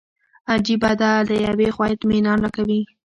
عجیبه ده له یوې خوا اطمینان راکوي.